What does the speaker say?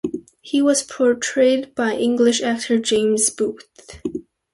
He was portrayed by English actor James Booth.